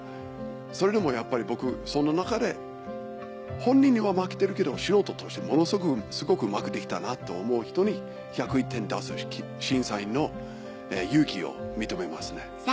それでもやっぱり僕その中で本人には負けてるけど素人としてものすごくうまくできたなと思う人に１０１点出す審査員の勇気を認めますね。